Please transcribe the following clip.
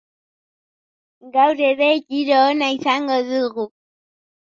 Gaur ere, giro ona izango dugu.